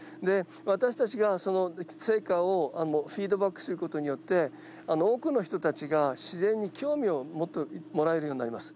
私たちがその成果をフィードバックすることによって、多くの人たちが、自然に興味を持ってもらえるようになります。